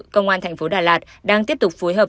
công an tp đà lạt đang tiếp tục phối hợp